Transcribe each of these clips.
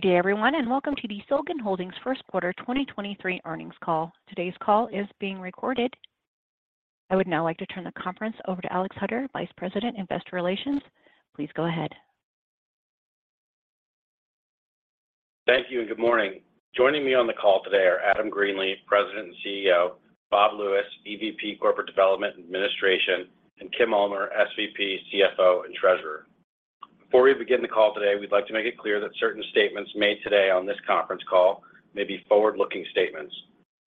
Good day, everyone, welcome to the Silgan Holdings first quarter 2023 earnings call. Today's call is being recorded. I would now like to turn the conference over to Alex Hutter, Vice President, Investor Relations. Please go ahead. Thank you. Good morning. Joining me on the call today are Adam Greenlee, President and CEO, Bob Lewis, EVP, Corporate Development and Administration, and Kim Ulmer, SVP, CFO, and Treasurer. Before we begin the call today, we'd like to make it clear that certain statements made today on this conference call may be forward-looking statements.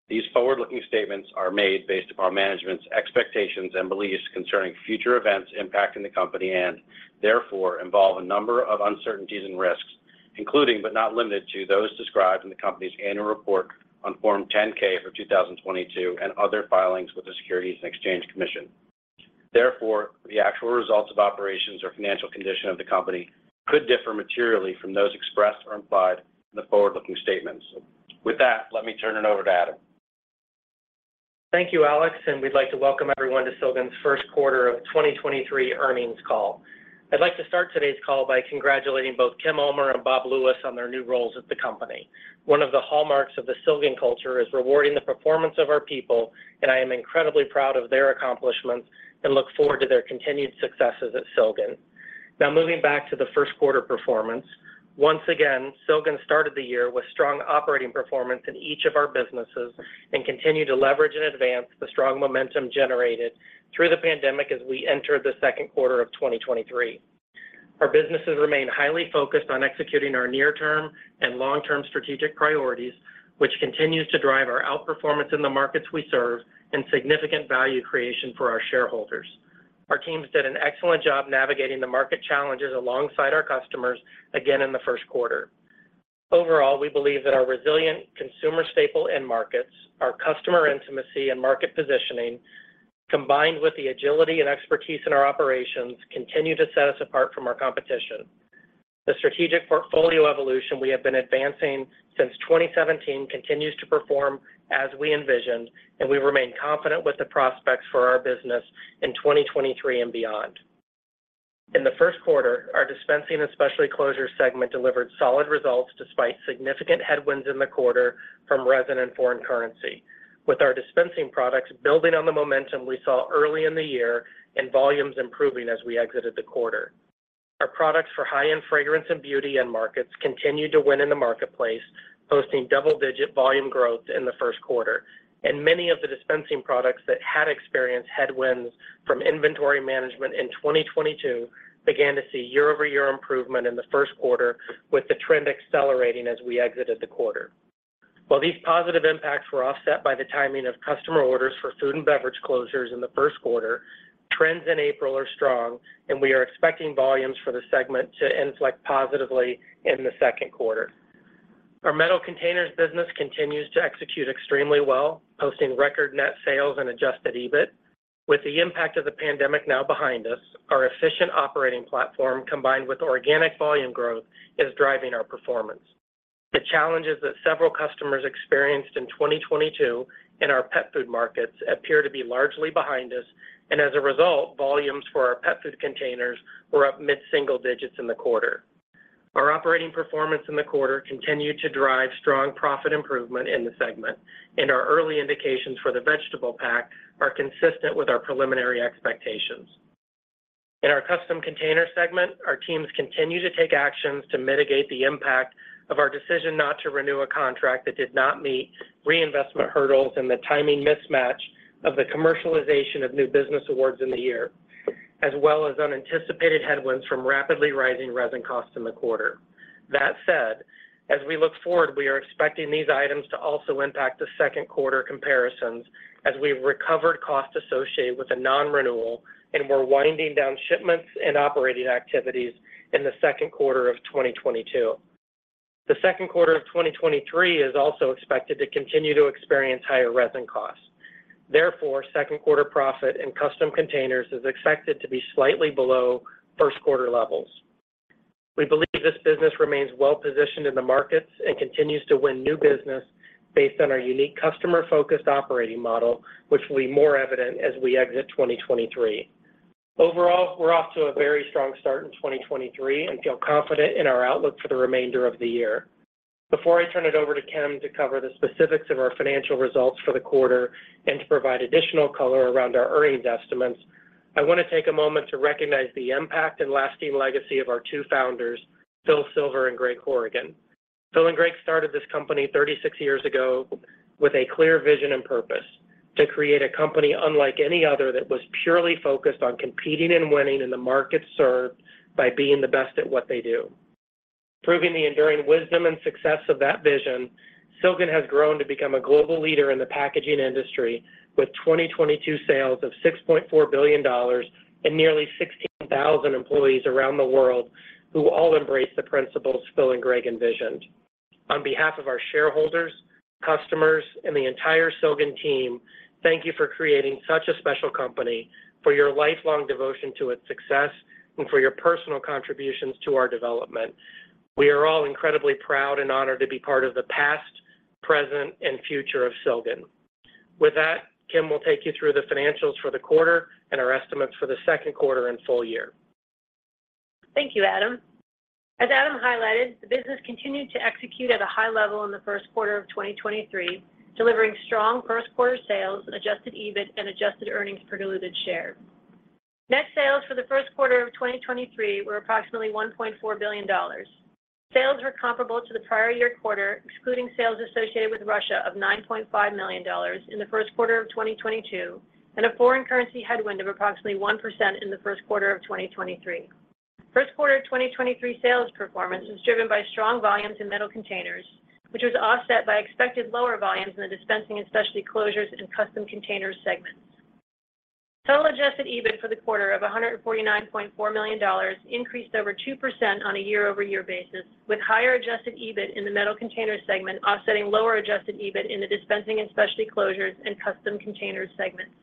These forward-looking statements are made based upon management's expectations and beliefs concerning future events impacting the company and therefore involve a number of uncertainties and risks, including, but not limited to, those described in the company's annual report on Form 10-K for 2022 and other filings with the Securities and Exchange Commission. Therefore, the actual results of operations or financial condition of the company could differ materially from those expressed or implied in the forward-looking statements. With that, let me turn it over to Adam. Thank you, Alex. We'd like to welcome everyone to Silgan's first quarter of 2023 earnings call. I'd like to start today's call by congratulating both Kim Ulmer and Bob Lewis on their new roles at the company. One of the hallmarks of the Silgan culture is rewarding the performance of our people, and I am incredibly proud of their accomplishments and look forward to their continued successes at Silgan. Moving back to the first quarter performance. Once again, Silgan started the year with strong operating performance in each of our businesses and continue to leverage and advance the strong momentum generated through the pandemic as we enter the second quarter of 2023. Our businesses remain highly focused on executing our near-term and long-term strategic priorities, which continues to drive our outperformance in the markets we serve and significant value creation for our shareholders. Our teams did an excellent job navigating the market challenges alongside our customers again in the first quarter. Overall, we believe that our resilient consumer staple end markets, our customer intimacy and market positioning, combined with the agility and expertise in our operations, continue to set us apart from our competition. The strategic portfolio evolution we have been advancing since 2017 continues to perform as we envisioned, and we remain confident with the prospects for our business in 2023 and beyond. In the first quarter, our Dispensing and Specialty Closures segment delivered solid results despite significant headwinds in the quarter from resin and foreign currency, with our dispensing products building on the momentum we saw early in the year and volumes improving as we exited the quarter. Our products for high-end fragrance and beauty end markets continued to win in the marketplace, posting double-digit volume growth in the first quarter. Many of the dispensing products that had experienced headwinds from inventory management in 2022 began to see year-over-year improvement in the first quarter, with the trend accelerating as we exited the quarter. While these positive impacts were offset by the timing of customer orders for food and beverage closures in the first quarter, trends in April are strong, and we are expecting volumes for the segment to inflect positively in the second quarter. Our Metal Containers business continues to execute extremely well, posting record net sales and adjusted EBIT. With the impact of the pandemic now behind us, our efficient operating platform, combined with organic volume growth, is driving our performance. The challenges that several customers experienced in 2022 in our pet food markets appear to be largely behind us, and as a result, volumes for our pet food containers were up mid-single digits in the quarter. Our operating performance in the quarter continued to drive strong profit improvement in the segment. Our early indications for the vegetable pack are consistent with our preliminary expectations. In our Custom Containers segment, our teams continue to take actions to mitigate the impact of our decision not to renew a contract that did not meet reinvestment hurdles and the timing mismatch of the commercialization of new business awards in the year, as well as unanticipated headwinds from rapidly rising resin costs in the quarter. That said, as we look forward, we are expecting these items to also impact the second quarter comparisons as we've recovered costs associated with the non-renewal, and we're winding down shipments and operating activities in the second quarter of 2022. The second quarter of 2023 is also expected to continue to experience higher resin costs. Therefore, second quarter profit in Custom Containers is expected to be slightly below first quarter levels. We believe this business remains well-positioned in the markets and continues to win new business based on our unique customer-focused operating model, which will be more evident as we exit 2023. Overall, we're off to a very strong start in 2023 and feel confident in our outlook for the remainder of the year. Before I turn it over to Kim to cover the specifics of our financial results for the quarter and to provide additional color around our earnings estimates, I want to take a moment to recognize the impact and lasting legacy of our two founders, Phil Silver and Greg Horrigan. Phil and Greg started this company 36 years ago with a clear vision and purpose: to create a company unlike any other that was purely focused on competing and winning in the markets served by being the best at what they do. Proving the enduring wisdom and success of that vision, Silgan has grown to become a global leader in the packaging industry with 2022 sales of $6.4 billion and nearly 16,000 employees around the world who all embrace the principles Phil and Greg envisioned. On behalf of our shareholders, customers, and the entire Silgan team, thank you for creating such a special company, for your lifelong devotion to its success, and for your personal contributions to our development. We are all incredibly proud and honored to be part of the past, present, and future of Silgan. With that, Kim will take you through the financials for the quarter and our estimates for the second quarter and full year. Thank you, Adam. As Adam highlighted, the business continued to execute at a high level in the first quarter of 2023, delivering strong first quarter sales, adjusted EBIT, and adjusted earnings per diluted share. Net sales for the first quarter of 2023 were approximately $1.4 billion. Sales were comparable to the prior year quarter, excluding sales associated with Russia of $9.5 million in the first quarter of 2022, and a foreign currency headwind of approximately 1% in the first quarter of 2023. First quarter of 2023 sales performance was driven by strong volumes in Metal Containers, which was offset by expected lower volumes in the Dispensing and Specialty Closures and Custom Containers segments. Total adjusted EBIT for the quarter of $149.4 million increased over 2% on a year-over-year basis, with higher adjusted EBIT in the Metal Containers segment offsetting lower adjusted EBIT in the Dispensing and Specialty Closures and Custom Containers segments.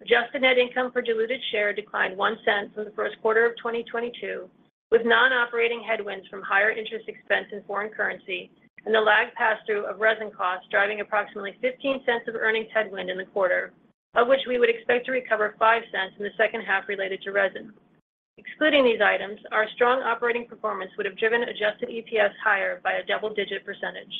Adjusted net income for diluted share declined $0.01 from the first quarter of 2022, with non-operating headwinds from higher interest expense in foreign currency and the lagged pass-through of resin costs driving approximately $0.15 of earnings headwind in the quarter, of which we would expect to recover $0.05 in the second half related to resin. Excluding these items, our strong operating performance would have driven adjusted EPS higher by a double-digit percentage.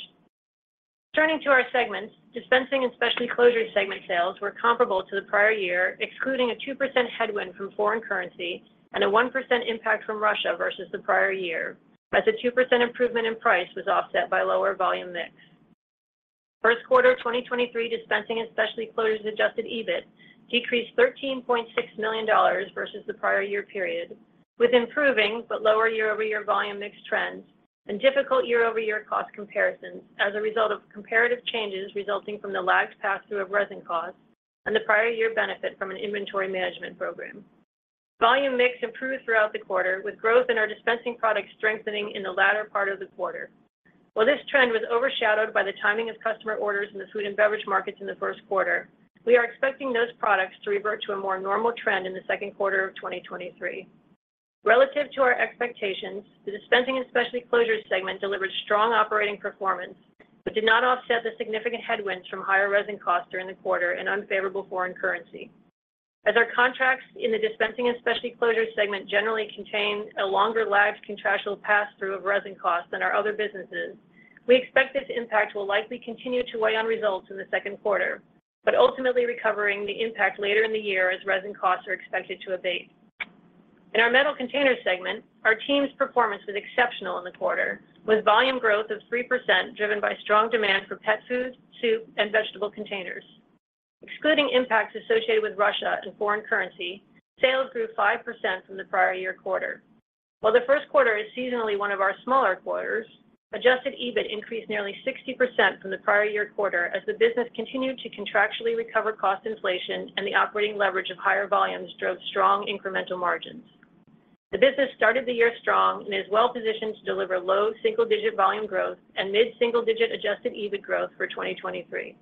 Turning to our segments, Dispensing and Specialty Closures segment sales were comparable to the prior year, excluding a 2% headwind from foreign currency and a 1% impact from Russia versus the prior year, as a 2% improvement in price was offset by lower volume mix. First quarter 2023 Dispensing and Specialty Closures adjusted EBIT decreased $13.6 million versus the prior year period, with improving but lower year-over-year volume mix trends and difficult year-over-year cost comparisons as a result of comparative changes resulting from the lagged pass-through of resin costs and the prior year benefit from an inventory management program. Volume mix improved throughout the quarter, with growth in our dispensing products strengthening in the latter part of the quarter. While this trend was overshadowed by the timing of customer orders in the food and beverage markets in the first quarter, we are expecting those products to revert to a more normal trend in the second quarter of 2023. Relative to our expectations, the Dispensing and Specialty Closures segment delivered strong operating performance, did not offset the significant headwinds from higher resin costs during the quarter and unfavorable foreign currency. As our contracts in the Dispensing and Specialty Closures segment generally contain a longer lagged contractual pass-through of resin costs than our other businesses, we expect this impact will likely continue to weigh on results in the second quarter, ultimately recovering the impact later in the year as resin costs are expected to abate. In our Metal Containers segment, our team's performance was exceptional in the quarter, with volume growth of 3% driven by strong demand for pet food, soup, and vegetable containers. Excluding impacts associated with Russia and foreign currency, sales grew 5% from the prior year quarter. While the first quarter is seasonally one of our smaller quarters, adjusted EBIT increased nearly 60% from the prior year quarter as the business continued to contractually recover cost inflation and the operating leverage of higher volumes drove strong incremental margins. The business started the year strong and is well-positioned to deliver low single-digit volume growth and mid-single digit adjusted EBIT growth for 2023.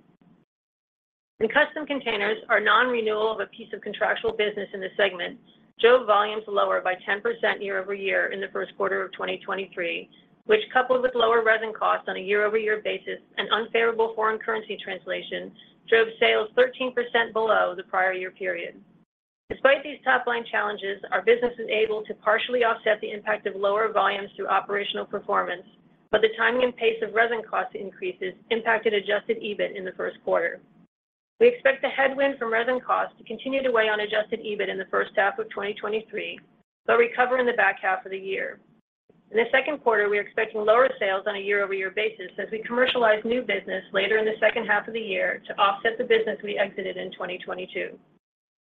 In Custom Containers, our non-renewal of a piece of contractual business in the segment drove volumes lower by 10% year-over-year in the first quarter of 2023, which coupled with lower resin costs on a year-over-year basis and unfavorable foreign currency translation, drove sales 13% below the prior year period. Despite these top line challenges, our business was able to partially offset the impact of lower volumes through operational performance. The timing and pace of resin cost increases impacted adjusted EBIT in the first quarter. We expect the headwind from resin costs to continue to weigh on adjusted EBIT in the first half of 2023, but recover in the back half of the year. In the second quarter, we are expecting lower sales on a year-over-year basis as we commercialize new business later in the second half of the year to offset the business we exited in 2022.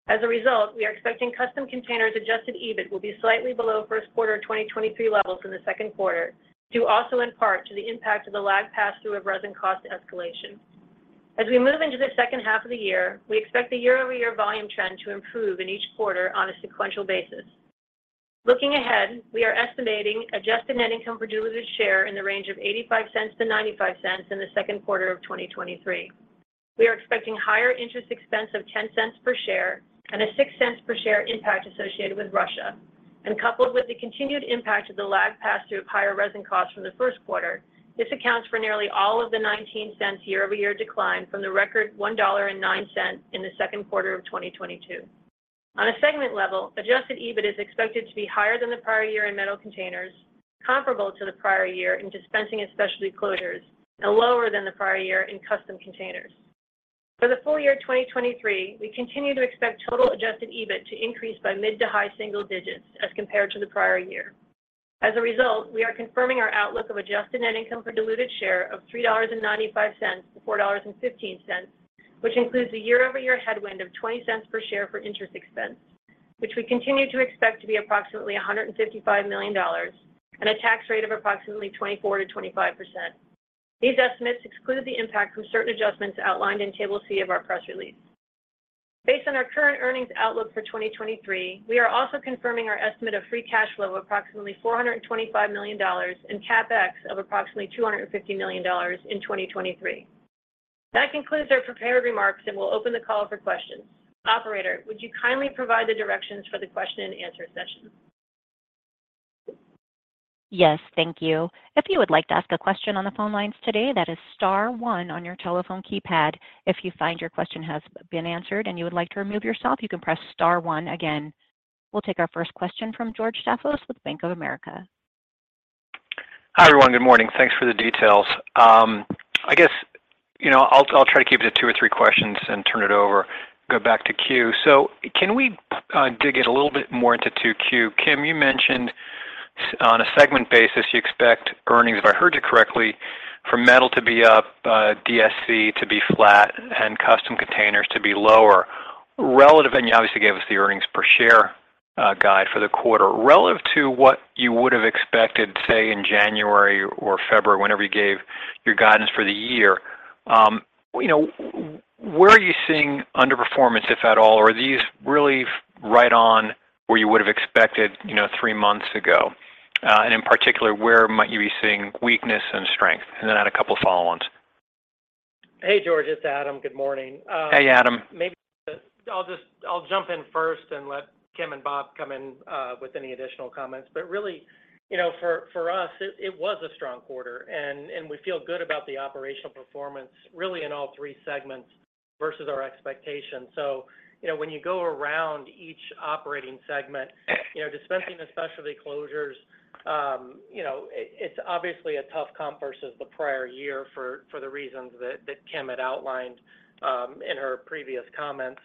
As a result, we are expecting Custom Containers adjusted EBIT will be slightly below first quarter 2023 levels in the second quarter, due also in part to the impact of the lagged pass-through of resin cost escalation. As we move into the second half of the year, we expect the year-over-year volume trend to improve in each quarter on a sequential basis. Looking ahead, we are estimating adjusted net income per diluted share in the range of $0.85-$0.95 in the second quarter of 2023. We are expecting higher interest expense of $0.10 per share and a $0.06 per share impact associated with Russia. Coupled with the continued impact of the lagged pass-through of higher resin costs from the first quarter, this accounts for nearly all of the $0.19 year-over-year decline from the record $1.09 in the second quarter of 2022. On a segment level, adjusted EBIT is expected to be higher than the prior year in Metal Containers, comparable to the prior year in Dispensing and Specialty Closures, and lower than the prior year in Custom Containers. For the full year 2023, we continue to expect total adjusted EBIT to increase by mid to high single digits as compared to the prior year. As a result, we are confirming our outlook of adjusted net income per diluted share of $3.95-$4.15, which includes a year-over-year headwind of $0.20 per share for interest expense, which we continue to expect to be approximately $155 million and a tax rate of approximately 24%-25%. These estimates exclude the impact from certain adjustments outlined in Table C of our press release. Based on our current earnings outlook for 2023, we are also confirming our estimate of free cash flow of approximately $425 million and CapEx of approximately $250 million in 2023. That concludes our prepared remarks, and we'll open the call for questions. Operator, would you kindly provide the directions for the question and answer session? Yes. Thank you. If you would like to ask a question on the phone lines today, that is star one on your telephone keypad. If you find your question has been answered and you would like to remove yourself, you can press star one again. We'll take our first question from George Staphos with Bank of America. Hi, everyone. Good morning. Thanks for the details. I guess, you know, I'll try to keep it to two or three questions and turn it over, go back to Q. Can we dig in a little bit more into 2Q? Kim, you mentioned on a segment basis, you expect earnings, if I heard you correctly, for metal to be up, DSC to be flat, and Custom Containers to be lower relative... You obviously gave us the earnings per share guide for the quarter. Relative to what you would have expected, say, in January or February, whenever you gave your guidance for the year, you know, where are you seeing underperformance, if at all? Are these really right on where you would have expected, you know, three months ago? In particular, where might you be seeing weakness and strength? I had a couple of follow-ons. Hey, George. It's Adam. Good morning. Hey, Adam. Maybe I'll jump in first and let Kim and Bob come in with any additional comments. Really, you know, for us, it was a strong quarter, and we feel good about the operational performance really in all three segments versus our expectations. You know, when you go around each operating segment, you know, Dispensing and Specialty Closures, you know, it's obviously a tough comp versus the prior year for the reasons that Kim had outlined in her previous comments.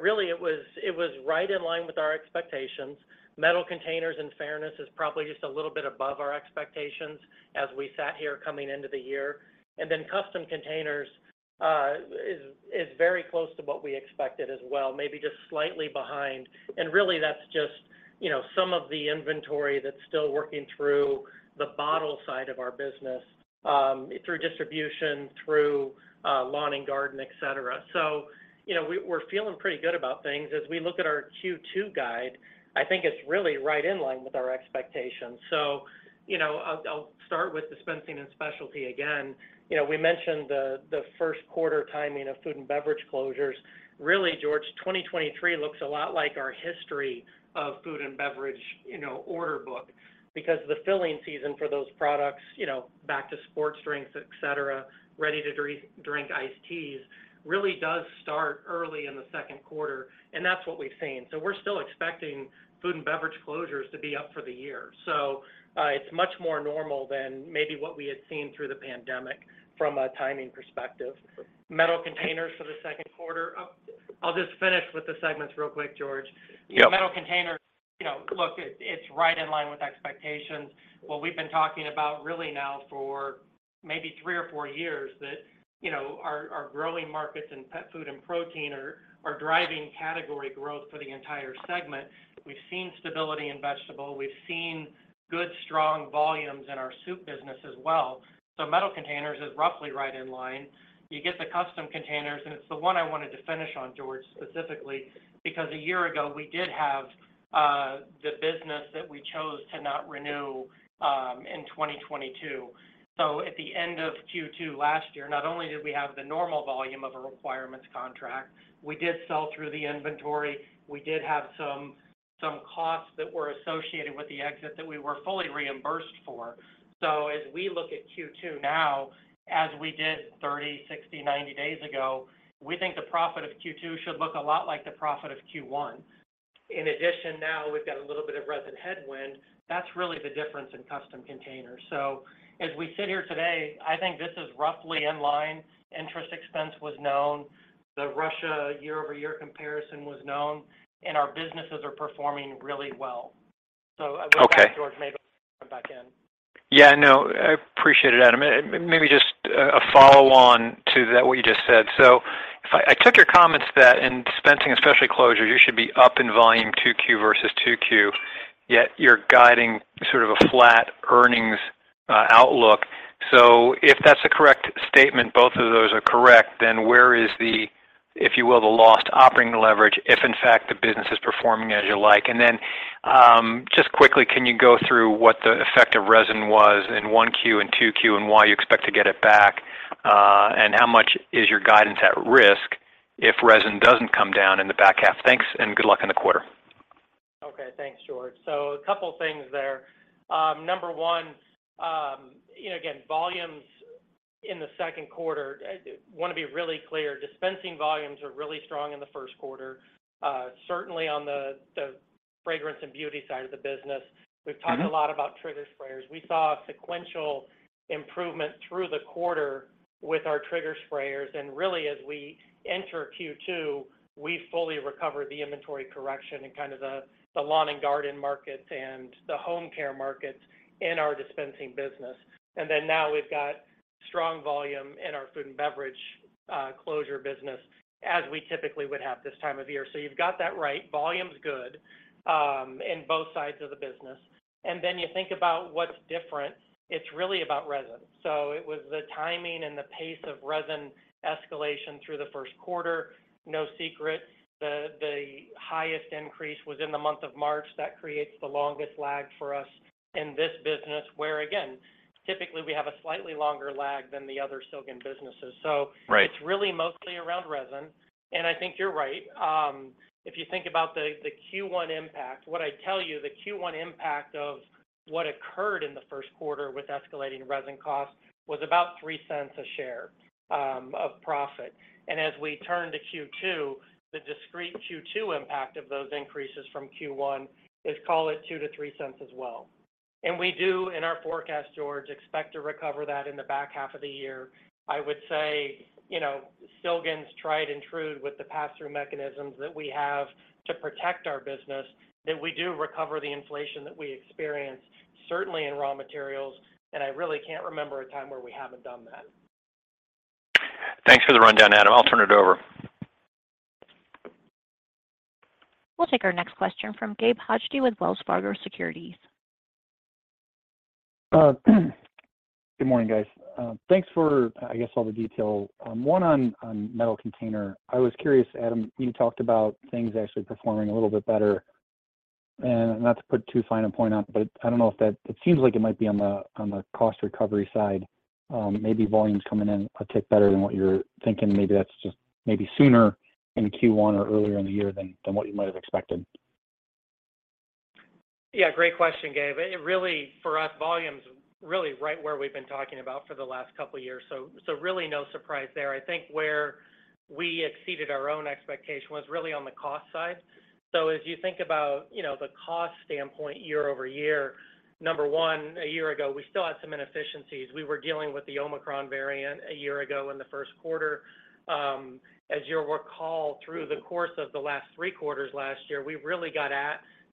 Really it was right in line with our expectations. Metal Containers and fairness is probably just a little bit above our expectations as we sat here coming into the year. Custom Containers is very close to what we expected as well, maybe just slightly behind. Really that's just, you know, some of the inventory that's still working through the bottle side of our business, through distribution, through lawn and garden, et cetera. You know, we're feeling pretty good about things. As we look at our Q2 guide, I think it's really right in line with our expectations. You know, I'll start with Dispensing and Specialty again. You know, we mentioned the first quarter timing of food and beverage closures. Really, George, 2023 looks a lot like our history of food and beverage, you know, order book because the filling season for those products, you know, back to sports drinks, et cetera, ready to drink iced teas, really does start early in the second quarter, and that's what we've seen. We're still expecting food and beverage closures to be up for the year. It's much more normal than maybe what we had seen through the pandemic from a timing perspective. Metal Containers for the second quarter. I'll just finish with the segments real quick, George. Yeah. Metal Containers, you know, look, it's right in line with expectations. What we've been talking about really now for maybe 3 or 4 years that, you know, our growing markets in pet food and protein are driving category growth for the entire segment. We've seen stability in vegetable. We've seen good, strong volumes in our soup business as well. Metal Containers is roughly right in line. You get the Custom Containers, and it's the one I wanted to finish on, George, specifically, because a year ago, we did have the business that we chose to not renew in 2022. At the end of Q2 last year, not only did we have the normal volume of a requirements contract, we did sell through the inventory. We did have some costs that were associated with the exit that we were fully reimbursed for. As we look at Q2 now, as we did 30 days, 60 days, 90 days ago, we think the profit of Q2 should look a lot like the profit of Q1. In addition, now we've got a little bit of resin headwind. That's really the difference in Custom Containers. As we sit here today, I think this is roughly in line. Interest expense was known. The Russia year-over-year comparison was known, and our businesses are performing really well. Okay. George, maybe come back in. Yeah, no, I appreciate it, Adam. Maybe just a follow on to that what you just said. I took your comments that in Dispensing, Specialty Closures, you should be up in volume two Q versus two Q, yet you're guiding sort of a flat earnings outlook. If that's a correct statement, both of those are correct, where is the, if you will, the lost operating leverage, if in fact, the business is performing as you like? Just quickly, can you go through what the effect of resin was in one Q and two Q, and why you expect to get it back, and how much is your guidance at risk if resin doesn't come down in the back half? Thanks, and good luck in the quarter. Okay. Thanks, George. A couple of things there. Number one, you know, again, volumes in the second quarter, I want to be really clear, dispensing volumes are really strong in the first quarter. Certainly on the fragrance and beauty side of the business. Mm-hmm. We've talked a lot about trigger sprayers. We saw a sequential improvement through the quarter with our trigger sprayers. Really, as we enter Q2, we fully recovered the inventory correction in kind of the lawn and garden markets and the home care markets in our dispensing business. Then now we've got strong volume in our food and beverage closure business as we typically would have this time of year. You've got that right. Volume's good in both sides of the business. Then you think about what's different, it's really about resin. It was the timing and the pace of resin escalation through the first quarter. No secret the highest increase was in the month of March. That creates the longest lag for us in this business, where Typically, we have a slightly longer lag than the other Silgan businesses. Right ...It's really mostly around resin. I think you're right. If you think about the Q1 impact, what I tell you, the Q1 impact of what occurred in the first quarter with escalating resin costs was about $0.03 a share of profit. As we turn to Q2, the discrete Q2 impact of those increases from Q1 is, call it, $0.02-$0.03 as well. We do, in our forecast, George, expect to recover that in the back half of the year. I would say, you know, Silgan's tried and true with the pass-through mechanisms that we have to protect our business, that we do recover the inflation that we experience, certainly in raw materials, and I really can't remember a time where we haven't done that. Thanks for the rundown, Adam. I'll turn it over. We'll take our next question from Gabe Hajde with Wells Fargo Securities. Good morning, guys. Thanks for, I guess, all the detail. One on Metal Containers. I was curious, Adam, you talked about things actually performing a little bit better. Not to put too fine a point on it, but I don't know if that. It seems like it might be on the cost recovery side, maybe volumes coming in a tick better than what you're thinking. Maybe that's just sooner in Q1 or earlier in the year than what you might have expected. Yeah, great question, Gabe. It really, for us, volume's really right where we've been talking about for the last couple of years. Really no surprise there. I think where we exceeded our own expectation was really on the cost side. As you think about, you know, the cost standpoint year-over-year, number one, a year ago, we still had some inefficiencies. We were dealing with the Omicron variant a year ago in the first quarter. As you'll recall, through the course of the last three quarters last year, we really got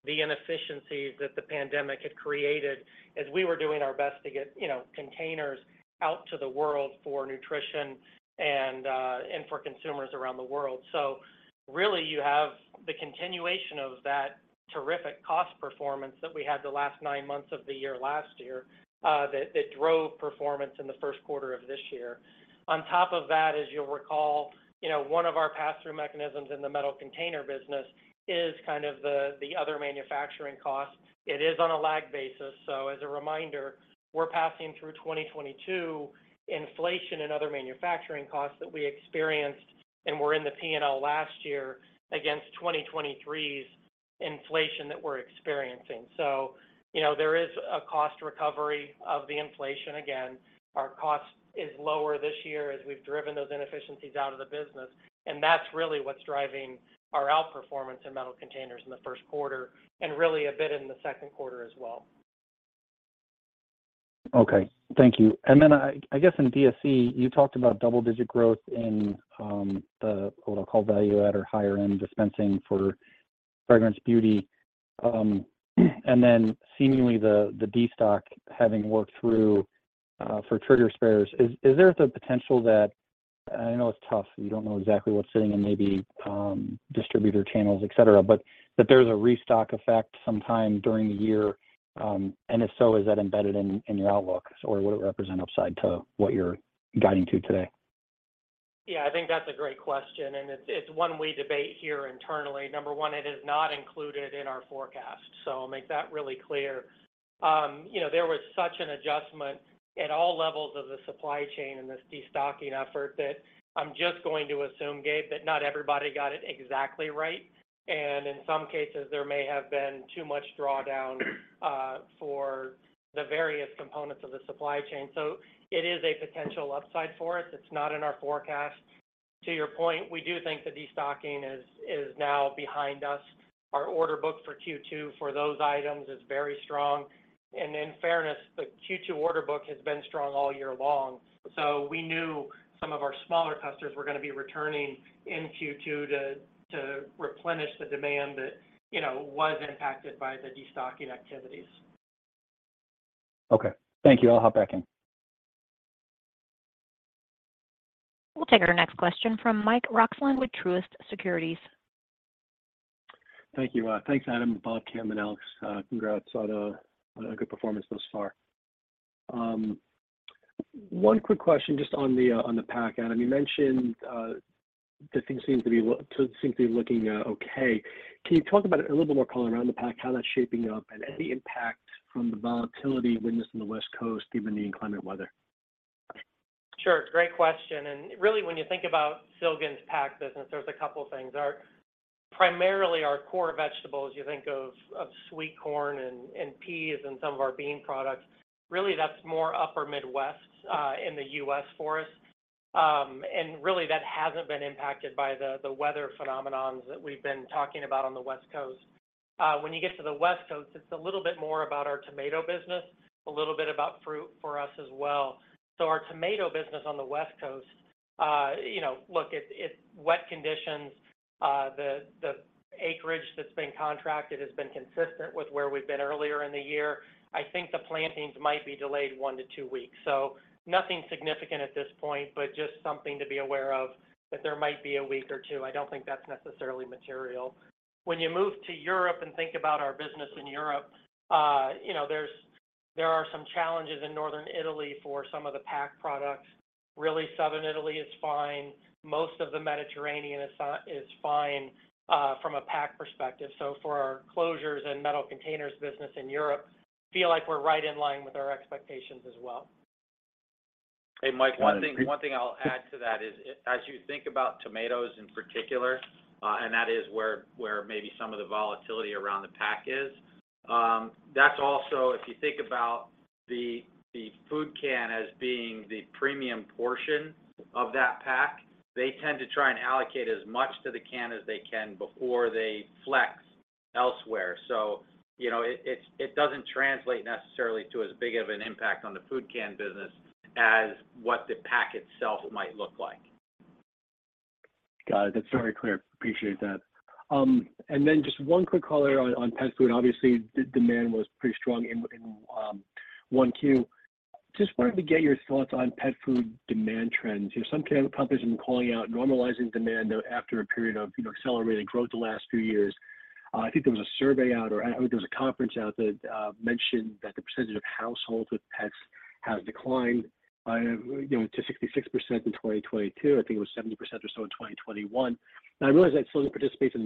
at the inefficiencies that the pandemic had created as we were doing our best to get, you know, containers out to the world for nutrition and for consumers around the world. Really, you have the continuation of that terrific cost performance that we had the last nine months of the year last year, that drove performance in the first quarter of this year. On top of that, as you'll recall, you know, one of our pass-through mechanisms in the Metal Containers business is kind of the other manufacturing costs. It is on a lag basis. As a reminder, we're passing through 2022 inflation and other manufacturing costs that we experienced and were in the P&L last year against 2023's inflation that we're experiencing. You know, there is a cost recovery of the inflation again. Our cost is lower this year as we've driven those inefficiencies out of the business, and that's really what's driving our outperformance in Metal Containers in the first quarter and really a bit in the second quarter as well. Okay. Thank you. Then I guess in DSC, you talked about double-digit growth in the, what I'll call value add or higher end dispensing for fragrance beauty, and then seemingly the destock having worked through for trigger spares. Is there the potential that, I know it's tough, you don't know exactly what's sitting in maybe distributor channels, et cetera, but that there's a restock effect sometime during the year, and if so, is that embedded in your outlook or would it represent upside to what you're guiding to today? Yeah, I think that's a great question, and it's one we debate here internally. Number one, it is not included in our forecast, so I'll make that really clear. You know, there was such an adjustment at all levels of the supply chain in this destocking effort that I'm just going to assume, Gabe, that not everybody got it exactly right. In some cases, there may have been too much drawdown for the various components of the supply chain. It is a potential upside for us. It's not in our forecast. To your point, we do think the destocking is now behind us. Our order book for Q2 for those items is very strong. In fairness, the Q2 order book has been strong all year long. We knew some of our smaller customers were going to be returning in Q2 to replenish the demand that, you know, was impacted by the destocking activities. Okay. Thank you. I'll hop back in. We'll take our next question from Mike Roxland with Truist Securities. Thank you. Thanks, Adam, Bob, Kim, and Alex. Congrats on a good performance thus far. One quick question just on the pack. Adam, you mentioned that things seem to be looking okay. Can you talk about it a little bit more color around the pack, how that's shaping up, and any impact from the volatility we're witnessing on the West Coast, even the inclement weather? Sure. Great question. Really, when you think about Silgan's pack business, there's a couple of things. primarily our core vegetables, you think of sweet corn and peas and some of our bean products. Really, that's more upper Midwest in the US for us. Really that hasn't been impacted by the weather phenomenons that we've been talking about on the West Coast. When you get to the West Coast, it's a little bit more about our tomato business, a little bit about fruit for us as well. Our tomato business on the West Coast, you know, look, it's wet conditions. The acreage that's been contracted has been consistent with where we've been earlier in the year. I think the plantings might be delayed one to two weeks. Nothing significant at this point, but just something to be aware of, that there might be a week or two. I don't think that's necessarily material. When you move to Europe and think about our business in Europe, you know, there are some challenges in Northern Italy for some of the pack products. Really Southern Italy is fine. Most of the Mediterranean is fine from a pack perspective. For our closures and metal containers business in Europe, feel like we're right in line with our expectations as well. Hey, Mike, one thing I'll add to that is as you think about tomatoes in particular, and that is where maybe some of the volatility around the pack is, that's also if you think about the food can as being the premium portion of that pack, they tend to try and allocate as much to the can as they can before they flex elsewhere. You know, it doesn't translate necessarily to as big of an impact on the food can business as what the pack itself might look like. Got it. That's very clear. Appreciate that. Just one quick call there on pet food. Obviously, the demand was pretty strong in 1Q. Just wanted to get your thoughts on pet food demand trends. You know, some companies have been calling out normalizing demand after a period of, you know, accelerated growth the last few years. I think there was a survey out, or I think there was a conference out that mentioned that the percentage of households with pets has declined by, you know, to 66% in 2022. I think it was 70% or so in 2021. I realize that still participates in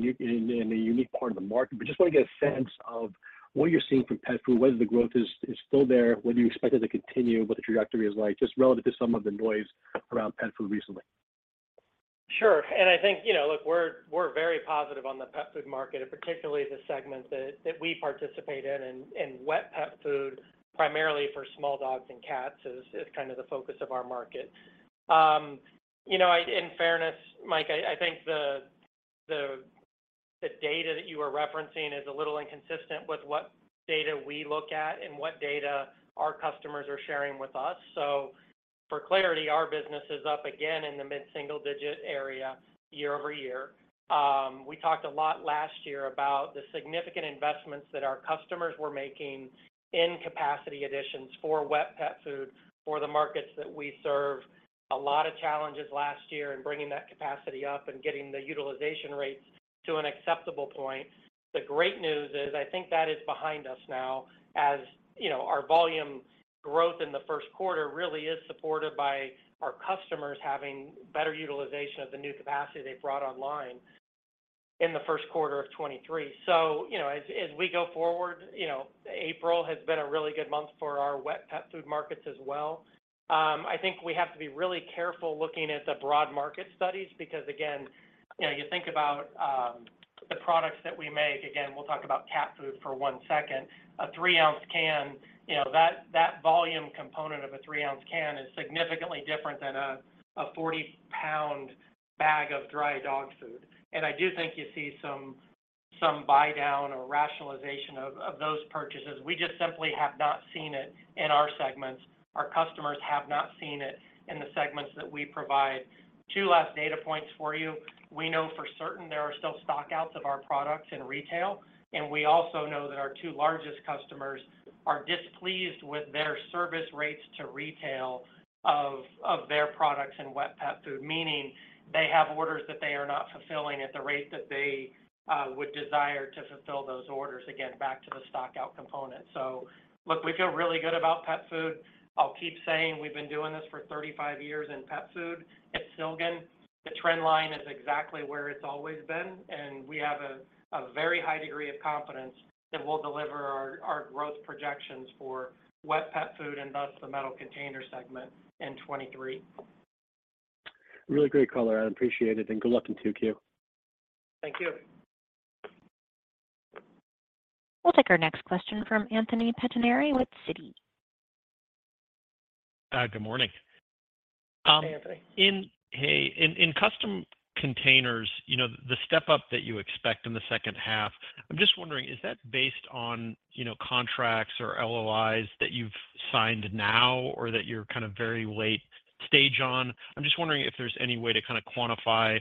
a unique part of the market, just want to get a sense of what you're seeing from pet food, whether the growth is still there, whether you expect it to continue, what the trajectory is like, just relative to some of the noise around pet food recently. Sure. I think, you know, look, we're very positive on the pet food market, and particularly the segment that we participate in and wet pet food, primarily for small dogs and cats is kind of the focus of our market. You know, in fairness, Mike, I think the data that you are referencing is a little inconsistent with what data we look at and what data our customers are sharing with us. For clarity, our business is up again in the mid-single digit area year-over-year. We talked a lot last year about the significant investments that our customers were making in capacity additions for wet pet food for the markets that we serve. A lot of challenges last year in bringing that capacity up and getting the utilization rates to an acceptable point. The great news is I think that is behind us now. As, you know, our volume growth in the first quarter really is supported by our customers having better utilization of the new capacity they brought online in the first quarter of 2023. You know, as we go forward, you know, April has been a really good month for our wet pet food markets as well. I think we have to be really careful looking at the broad market studies because again, you know, you think about the products that we make, again, we'll talk about cat food for one second. A three-ounce can, you know, that volume component of a three-ounce can is significantly different than a 40-pound bag of dry dog food. I do think you see some buy down or rationalization of those purchases. We just simply have not seen it in our segments. Our customers have not seen it in the segments that we provide. Two last data points for you. We know for certain there are still stock-outs of our products in retail, and we also know that our two largest customers are displeased with their service rates to retail of their products in wet pet food, meaning they have orders that they are not fulfilling at the rate that they would desire to fulfill those orders, again, back to the stock-out component. Look, we feel really good about pet food. I'll keep saying we've been doing this for 35 years in pet food. At Silgan, the trend line is exactly where it's always been, and we have a very high degree of confidence that we'll deliver our growth projections for wet pet food and thus the Metal Containers segment in 2023. Really great color. I appreciate it and good luck in 2Q. Thank you. We'll take our next question from Anthony Pettinari with Citi. Good morning. Hey, Anthony. Hey. In Custom Containers, you know, the step-up that you expect in the second half, I'm just wondering, is that based on, you know, contracts or LOIs that you've signed now or that you're kind of very late stage on? I'm just wondering if there's any way to kind of quantify,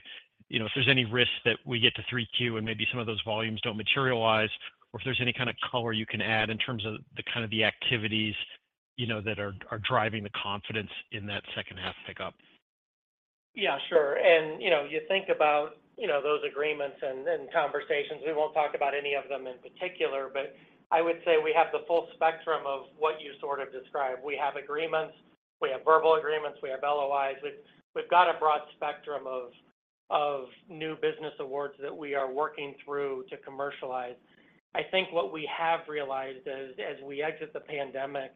you know, if there's any risk that we get to 3Q and maybe some of those volumes don't materialize, or if there's any kind of color you can add in terms of the kind of the activities, you know, that are driving the confidence in that second half pickup. Yeah, sure. You know, you think about, you know, those agreements and conversations. We won't talk about any of them in particular, but I would say we have the full spectrum of what you sort of described. We have agreements, we have verbal agreements, we have LOIs. We've got a broad spectrum of new business awards that we are working through to commercialize. I think what we have realized as we exit the pandemic,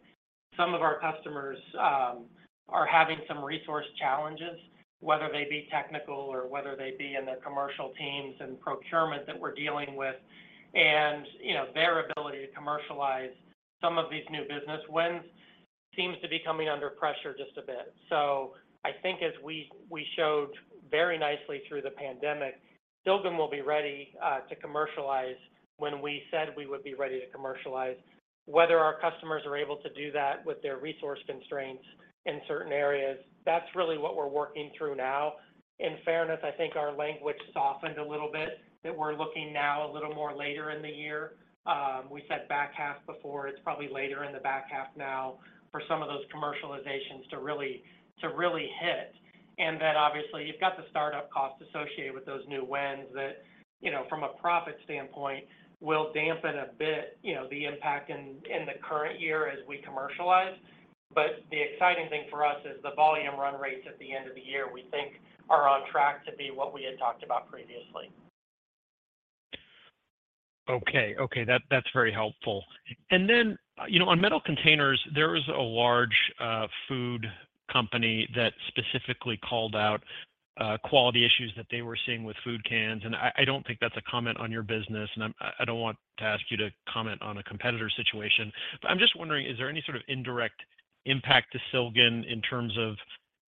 some of our customers are having some resource challenges, whether they be technical or whether they be in their commercial teams and procurement that we're dealing with. You know, their ability to commercialize some of these new business wins seems to be coming under pressure just a bit. I think as we showed very nicely through the pandemic, Silgan will be ready to commercialize when we said we would be ready to commercialize. Whether our customers are able to do that with their resource constraints in certain areas, that's really what we're working through now. In fairness, I think our language softened a little bit, that we're looking now a little more later in the year. We said back half before. It's probably later in the back half now for some of those commercializations to really hit. Obviously, you've got the startup costs associated with those new wins that, you know, from a profit standpoint will dampen a bit, you know, the impact in the current year as we commercialize. The exciting thing for us is the volume run rates at the end of the year, we think are on track to be what we had talked about previously. Okay. That's very helpful. You know, on Metal Containers, there is a large food company that specifically called out quality issues that they were seeing with food cans. I don't think that's a comment on your business, and I don't want to ask you to comment on a competitor situation. I'm just wondering, is there any sort of indirect impact to Silgan in terms of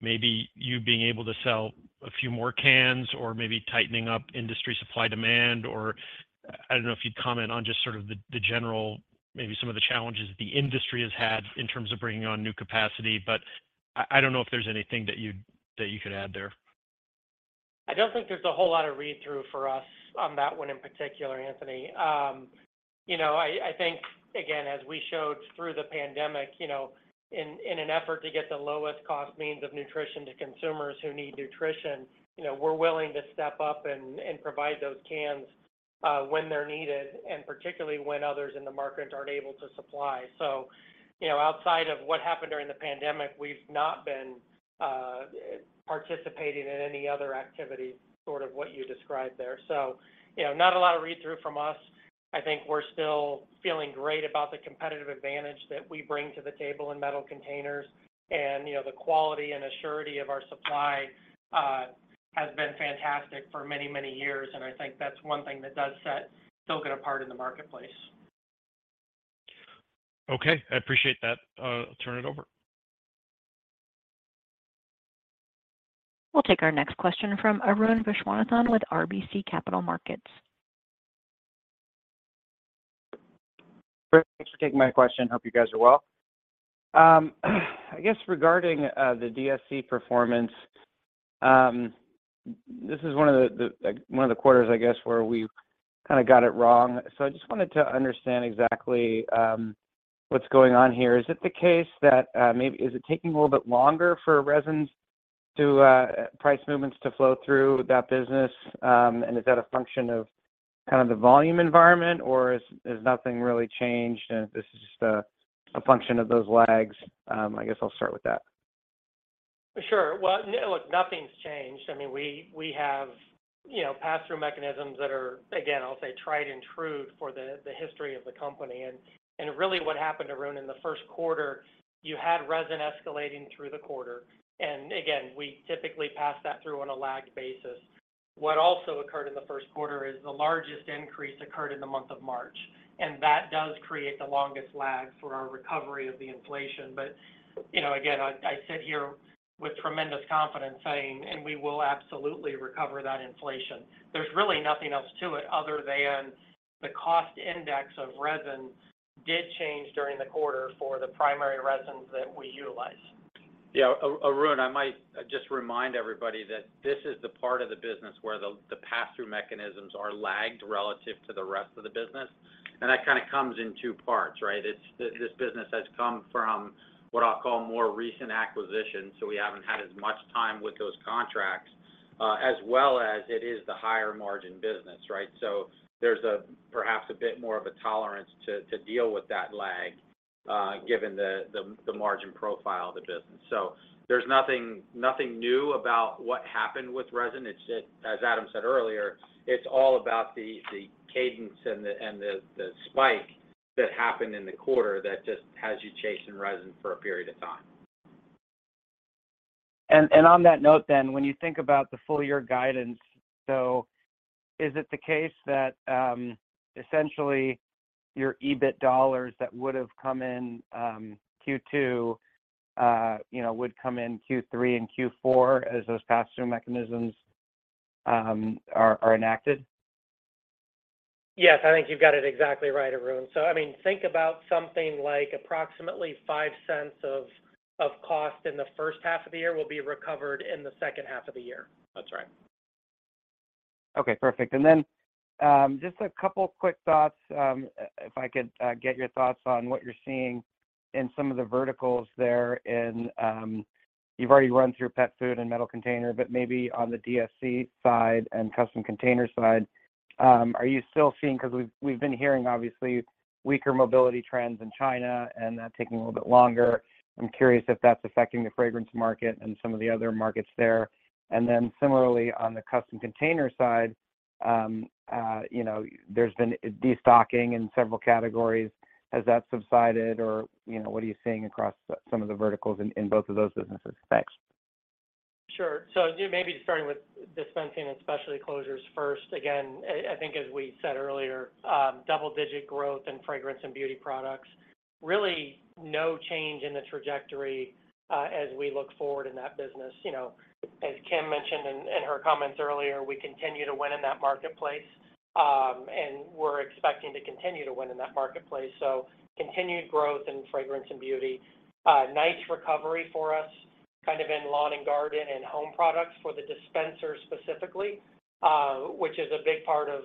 maybe you being able to sell a few more cans or maybe tightening up industry supply demand? I don't know if you'd comment on just sort of the general, maybe some of the challenges the industry has had in terms of bringing on new capacity. I don't know if there's anything that you could add there. I don't think there's a whole lot of read-through for us on that one in particular, Anthony. You know, I think, again, as we showed through the pandemic, you know, in an effort to get the lowest cost means of nutrition to consumers who need nutrition, you know, we're willing to step up and provide those cans when they're needed, and particularly when others in the market aren't able to supply. You know, outside of what happened during the pandemic, we've not been participating in any other activity, sort of what you described there. You know, not a lot of read-through from us. I think we're still feeling great about the competitive advantage that we bring to the table in Metal Containers. You know, the quality and surety of our supply has been fantastic for many, many years, and I think that's one thing that does set Silgan apart in the marketplace. Okay. I appreciate that. I'll turn it over. We'll take our next question from Arun Viswanathan with RBC Capital Markets. Great. Thanks for taking my question. Hope you guys are well. I guess regarding the DSC performance, this is one of the quarters, I guess, where we kind of got it wrong. I just wanted to understand exactly what's going on here. Is it the case that maybe is it taking a little bit longer for resins to price movements to flow through that business? Is that a function of kind of the volume environment, or has nothing really changed and this is just a function of those lags? I guess I'll start with that. Sure. Well, look, nothing's changed. I mean, we have, you know, pass-through mechanisms that are, again, I'll say tried and true for the history of the company. Really what happened, Arun, in the first quarter, you had resin escalating through the quarter. Again, we typically pass that through on a lagged basis. What also occurred in the first quarter is the largest increase occurred in the month of March, and that does create the longest lag for our recovery of the inflation. You know, again, I sit here with tremendous confidence saying, and we will absolutely recover that inflation. There's really nothing else to it other than the cost index of resin did change during the quarter for the primary resins that we utilize. Yeah. Arun, I might just remind everybody that this is the part of the business where the pass-through mechanisms are lagged relative to the rest of the business. That kind of comes in two parts, right? It's this business has come from what I'll call more recent acquisitions, so we haven't had as much time with those contracts, as well as it is the higher margin business, right? There's a perhaps a bit more of a tolerance to deal with that lag, given the margin profile of the business. There's nothing new about what happened with resin. It's just, as Adam said earlier, it's all about the cadence and the spike that happened in the quarter that just has you chasing resin for a period of time. On that note, when you think about the full year guidance, so is it the case that, essentially your EBIT dollars that would have come in, Q2, you know, would come in Q3 and Q4 as those pass-through mechanisms, are enacted? Yes. I think you've got it exactly right, Arun. I mean, think about something like approximately $0.05 of cost in the first half of the year will be recovered in the second half of the year. That's right. Okay. Perfect. Just a couple quick thoughts, if I could get your thoughts on what you're seeing in some of the verticals there in... You've already run through pet food and Metal Containers, but maybe on the DSC side and Custom Containers side, are you still seeing 'cause we've been hearing obviously weaker mobility trends in China and that taking a little bit longer. I'm curious if that's affecting the fragrance market and some of the other markets there. Similarly, on the Custom Containers side, you know, there's been destocking in several categories. Has that subsided or, you know, what are you seeing across some of the verticals in both of those businesses? Thanks. Sure. Maybe starting with Dispensing and Specialty Closures first. Again, I think as we said earlier, double-digit growth in fragrance and beauty products, really no change in the trajectory as we look forward in that business. You know, as Kim mentioned in her comments earlier, we continue to win in that marketplace, and we're expecting to continue to win in that marketplace. Continued growth in fragrance and beauty. Nice recovery for us kind of in lawn and garden and home products for the dispensers specifically, which is a big part of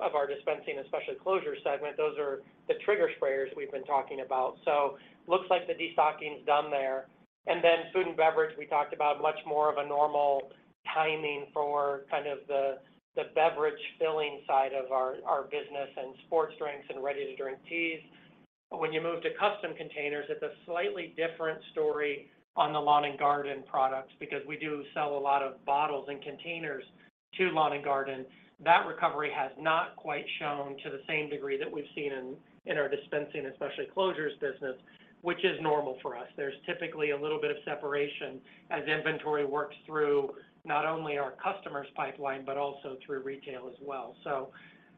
our Dispensing and Specialty Closures segment. Those are the trigger sprayers we've been talking about. Looks like the destocking is done there. Food and beverage, we talked about much more of a normal timing for kind of the beverage filling side of our business and sports drinks and ready-to-drink teas. When you move to Custom Containers, it's a slightly different story on the lawn and garden products because we do sell a lot of bottles and containers to lawn and garden. That recovery has not quite shown to the same degree that we've seen in our Dispensing and Specialty Closures business, which is normal for us. There's typically a little bit of separation as inventory works through not only our customer's pipeline, but also through retail as well.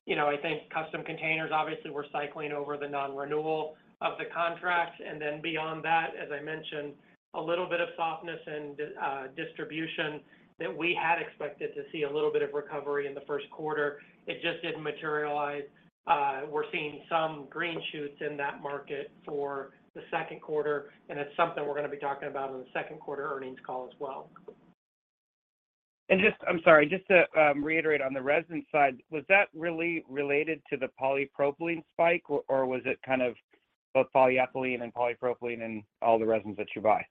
You know, I think Custom Containers, obviously, we're cycling over the non-renewal of the contract. Beyond that, as I mentioned, a little bit of softness in distribution that we had expected to see a little bit of recovery in the first quarter. It just didn't materialize. We're seeing some green shoots in that market for the second quarter. It's something we're gonna be talking about on the second quarter earnings call as well. I'm sorry, just to reiterate on the resin side, was that really related to the polypropylene spike or was it kind of both polyethylene and polypropylene and all the resins that you buy?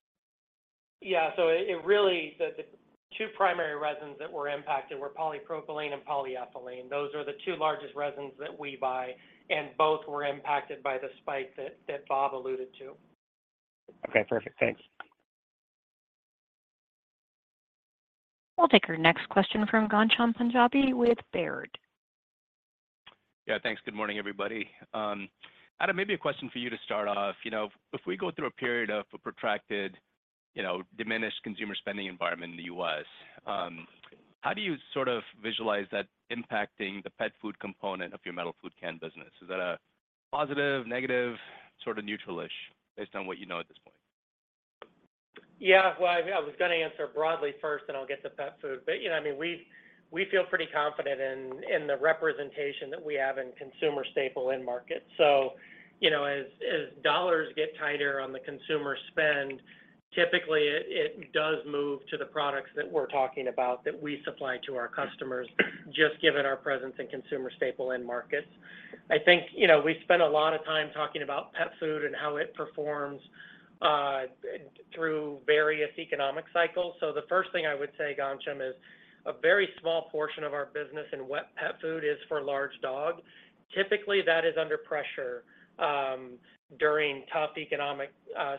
Yeah. The two primary resins that were impacted were polypropylene and polyethylene. Those are the two largest resins that we buy, and both were impacted by the spike that Bob alluded to. Okay, perfect. Thanks. We'll take our next question from Ghansham Panjabi with Baird. Yeah, thanks. Good morning, everybody. Adam, maybe a question for you to start off. You know, if we go through a period of a protracted, you know, diminished consumer spending environment in the U.S., how do you sort of visualize that impacting the pet food component of your metal food can business? Is that a positive, negative, sort of neutral-ish based on what you know at this point? Yeah. Well, I was gonna answer broadly first, then I'll get to pet food. You know, I mean, we feel pretty confident in the representation that we have in consumer staple end market. You know, as $ get tighter on the consumer spend, typically it does move to the products that we're talking about that we supply to our customers just given our presence in consumer staple end markets. I think, you know, we spent a lot of time talking about pet food and how it performs through various economic cycles. The first thing I would say, Ghansham, is a very small portion of our business in wet pet food is for large dog. Typically, that is under pressure during tough economic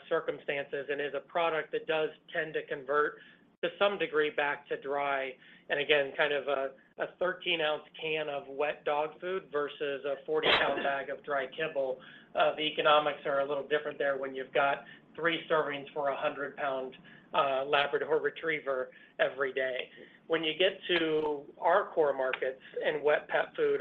circumstances and is a product that does tend to convert to some degree back to dry. Again, kind of a 13-ounce can of wet dog food versus a 40-pound bag of dry kibble. The economics are a little different there when you've got three servings for a 100-pound Labrador retriever every day. When you get to our core markets in wet pet food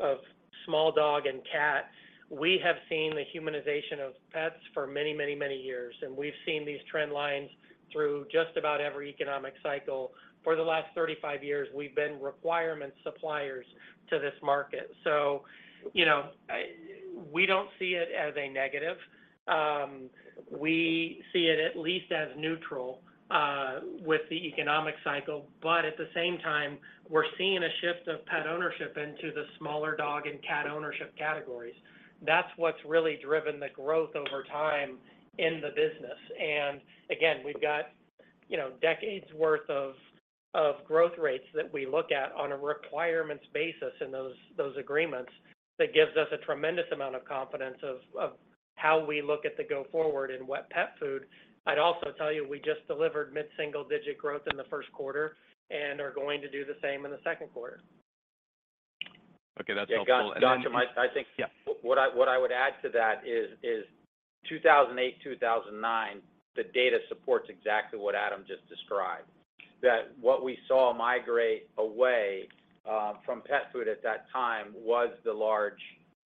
of small dog and cat, we have seen the humanization of pets for many, many, many years, and we've seen these trend lines through just about every economic cycle. For the last 35 years, we've been requirement suppliers to this market. You know, we don't see it as a negative. We see it at least as neutral with the economic cycle. At the same time, we're seeing a shift of pet ownership into the smaller dog and cat ownership categories. That's what's really driven the growth over time in the business. Again, we've got, you know, decades worth of growth rates that we look at on a requirements basis in those agreements that gives us a tremendous amount of confidence of how we look at the go forward in wet pet food. I'd also tell you, we just delivered mid-single digit growth in the first quarter and are going to do the same in the second quarter. Okay. That's helpful. Yeah, Ghansham, I think- Yeah. What I would add to that is 2008, 2009, the data supports exactly what Adam just described. What we saw migrate away, from pet food at that time was the large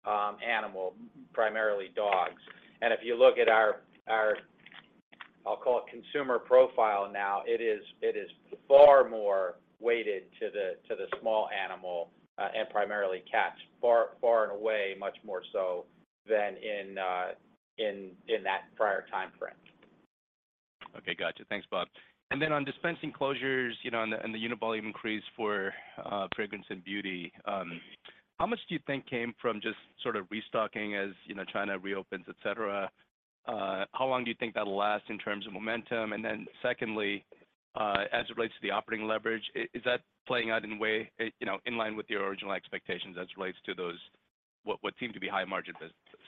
animal, primarily dogs. If you look at our, I'll call it consumer profile now, it is far more weighted to the small animal, and primarily cats, far and away, much more so than in that prior timeframe. Okay. Gotcha. Thanks, Bob. On dispensing closures, you know, and the, and the unit volume increase for fragrance and beauty, how much do you think came from just sort of restocking as, you know, China reopens, et cetera? How long do you think that'll last in terms of momentum? Secondly, as it relates to the operating leverage, is that playing out in a way, you know, in line with your original expectations as it relates to those, what seem to be high margin businesses?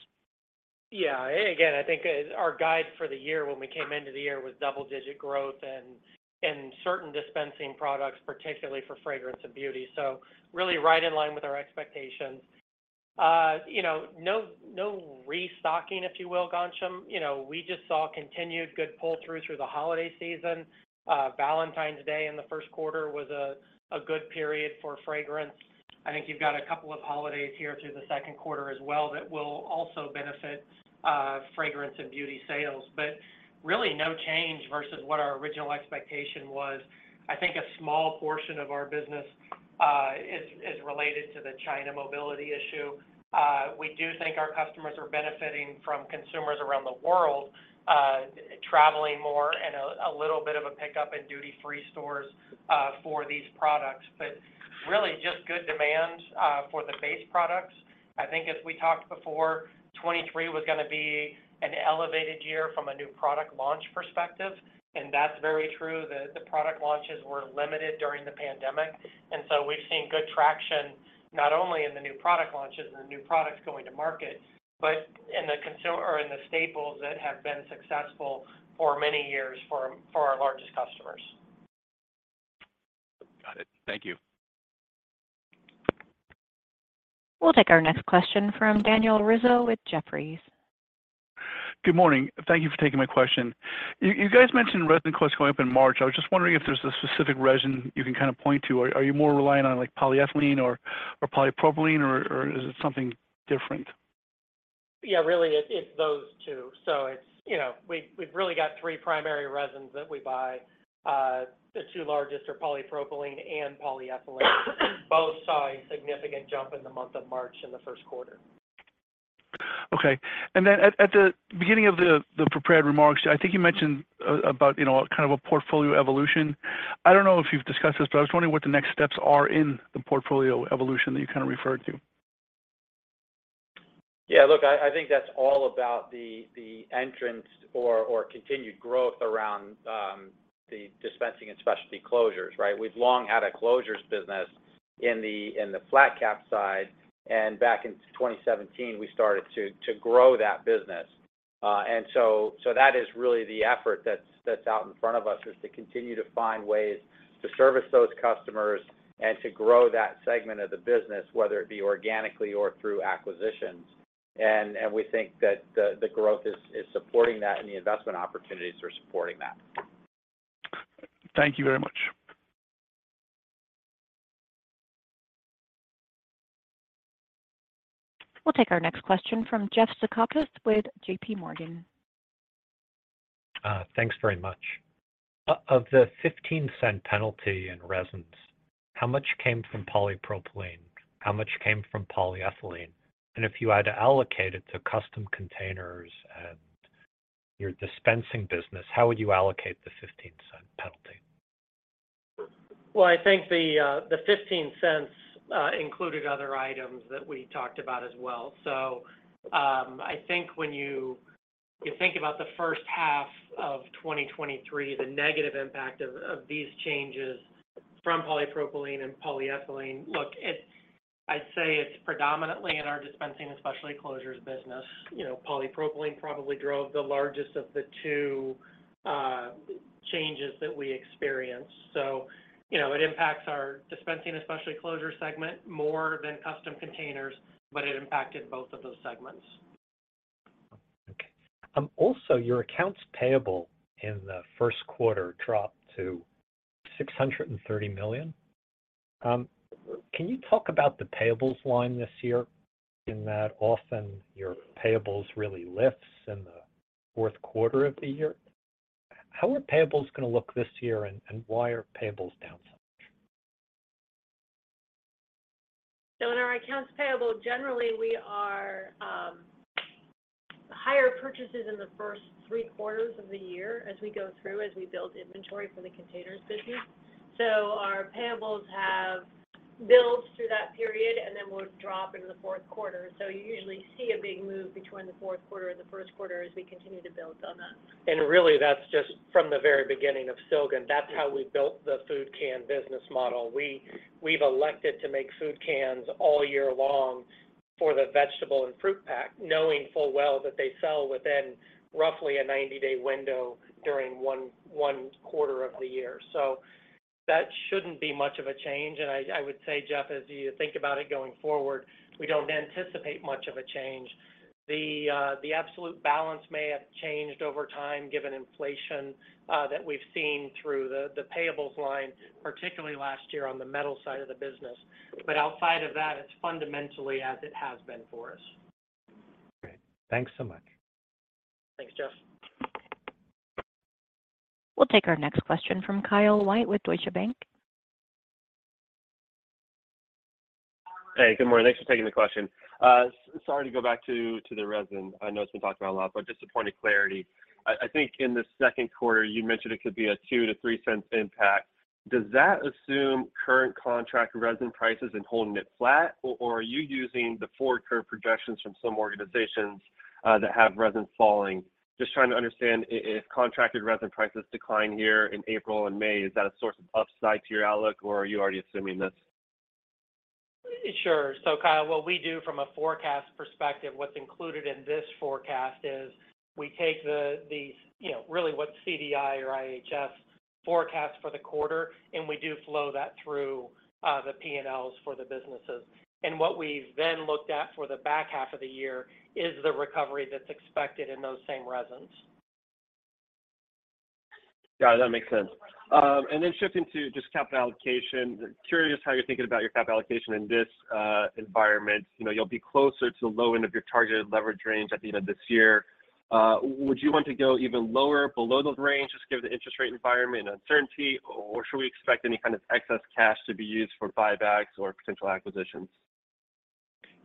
Yeah. Again, I think, our guide for the year when we came into the year was double-digit growth and certain dispensing products, particularly for fragrance and beauty. Really right in line with our expectations. You know, no restocking, if you will, Ghansham. You know, we just saw continued good pull-through through the holiday season. Valentine's Day in the first quarter was a good period for fragrance. I think you've got a couple of holidays here through the second quarter as well that will also benefit, fragrance and beauty sales. Really no change versus what our original expectation was. I think a small portion of our business is related to the China mobility issue. We do think our customers are benefiting from consumers around the world, traveling more and a little bit of a pickup in duty-free stores, for these products. Really just good demand for the base products. I think as we talked before, 2023 was going to be an elevated year from a new product launch perspective, and that's very true. The product launches were limited during the pandemic, and so we've seen good traction not only in the new product launches and the new products going to market, but in the staples that have been successful for many years for our largest customers. Got it. Thank you. We'll take our next question from Daniel Rizzo with Jefferies. Good morning. Thank you for taking my question. You guys mentioned resin costs going up in March. I was just wondering if there's a specific resin you can kind of point to. Are you more reliant on, like, polyethylene or polypropylene or is it something different? Yeah, really it's those two. It's, you know, we've really got three primary resins that we buy. The two largest are polypropylene and polyethylene. Both saw a significant jump in the month of March in the first quarter. Okay. At the beginning of the prepared remarks, I think you mentioned about, you know, kind of a portfolio evolution. I don't know if you've discussed this. I was wondering what the next steps are in the portfolio evolution that you kind of referred to. Yeah, look, I think that's all about the entrance or continued growth around the Dispensing and Specialty Closures, right? We've long had a closures business in the flat cap side. Back in 2017, we started to grow that business. That is really the effort that's out in front of us, is to continue to find ways to service those customers and to grow that segment of the business, whether it be organically or through acquisitions. We think that the growth is supporting that and the investment opportunities are supporting that. Thank you very much. We'll take our next question from Jeff Zekauskas with JPMorgan. Thanks very much. Of the $0.15 penalty in resins, how much came from polypropylene? How much came from polyethylene? If you had to allocate it to Custom Containers and your Dispensing business, how would you allocate the $0.15 penalty? Well, I think the $0.15 included other items that we talked about as well. I think when you, when you think about the first half of 2023, the negative impact of these changes from polypropylene and polyethylene, look, it's predominantly in our Dispensing and Specialty Closures business. You know, polypropylene probably drove the largest of the two changes that we experienced. You know, it impacts our Dispensing and Specialty Closure segment more than Custom Containers, but it impacted both of those segments. Okay. Also, your accounts payable in the first quarter dropped to $630 million. Can you talk about the payables line this year? In that often your payables really lifts in the fourth quarter of the year. How are payables gonna look this year, and why are payables down so much? In our accounts payable, generally we are higher purchases in the first three quarters of the year as we go through, as we build inventory for the containers business. Our payables have builds through that period, and then we'll drop into the fourth quarter. You usually see a big move between the fourth quarter and the first quarter as we continue to build on that. Really, that's just from the very beginning of Silgan. That's how we built the food can business model. We've elected to make food cans all year long for the vegetable and fruit pack, knowing full well that they sell within roughly a 90-day window during one quarter of the year. That shouldn't be much of a change, and I would say, Jeff, as you think about it going forward, we don't anticipate much of a change. The absolute balance may have changed over time given inflation that we've seen through the payables line, particularly last year on the Metal side of the business. Outside of that, it's fundamentally as it has been for us. Great. Thanks so much. Thanks, Jeff. We'll take our next question from Kyle White with Deutsche Bank. Hey, good morning. Thanks for taking the question. Sorry to go back to the resin. I know it's been talked about a lot, but just to point to clarity. I think in the second quarter you mentioned it could be a $0.02-$0.03 impact. Does that assume current contract resin prices and holding it flat, or are you using the forward curve projections from some organizations that have resin falling? Just trying to understand if contracted resin prices decline here in April and May, is that a source of upside to your outlook, or are you already assuming this? Sure. Kyle, what we do from a forecast perspective, what's included in this forecast is we take the, you know, really what CDI or IHS forecast for the quarter, and we do flow that through the P&Ls for the businesses. What we've then looked at for the back half of the year is the recovery that's expected in those same resins. Got it. That makes sense. And then shifting to just capital allocation. Curious how you're thinking about your CapEx allocation in this environment. You know, you'll be closer to the low end of your targeted leverage range at the end of this year. Would you want to go even lower below those ranges given the interest rate environment uncertainty, or should we expect any kind of excess cash to be used for buybacks or potential acquisitions?